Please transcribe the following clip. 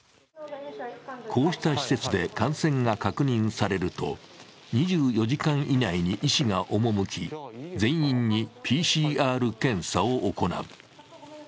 こうした施設で感染が確認されると、２４時間以内に医師が赴き全員にＰＣＲ検査を行う。